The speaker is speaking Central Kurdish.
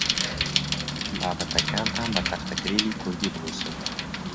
بابەتەکانتان بە تەختەکلیلی کوردی بنووسن.